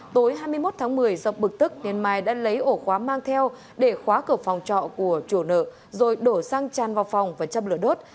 tối hai mươi một tháng một mươi do bực tức nên mai đã lấy ổ khóa mang theo để khóa cửa phòng trọ của chủ nợ rồi đổ xăng chan vào phòng và châm lửa đốt